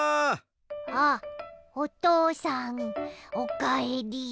あっおとうさんおかえり。